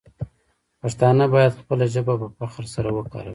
پښتانه باید خپله ژبه په فخر سره وکاروي.